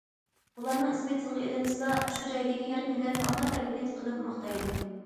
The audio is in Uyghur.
بۇلارنىڭ ئىسمى تىلغا ئېلىنسىلا، شۇ جايدىكى ھەر مىللەت ئامما تەرىپىنى قىلىپ ماختايدۇ.